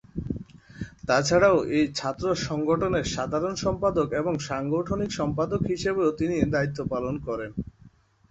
তাছাড়াও এই ছাত্র সংগঠনের সাধারণ সম্পাদক এবং সাংগঠনিক সম্পাদক হিসেবেও তিনি দায়িত্ব পালন করেন।